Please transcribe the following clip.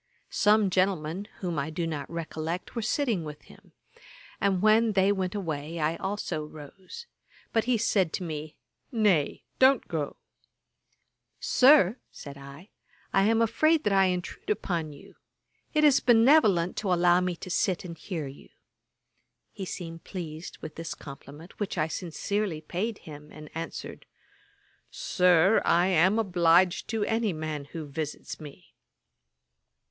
Some gentlemen, whom I do not recollect, were sitting with him; and when they went away, I also rose; but he said to me, 'Nay, don't go.' 'Sir, (said I,) I am afraid that I intrude upon you. It is benevolent to allow me to sit and hear you.' He seemed pleased with this compliment, which I sincerely paid him, and answered, 'Sir, I am obliged to any man who visits me.'